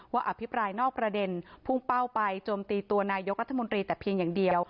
อภิปรายนอกประเด็นพุ่งเป้าไปโจมตีตัวนายกรัฐมนตรีแต่เพียงอย่างเดียว